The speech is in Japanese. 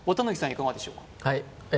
いかがでしょうか？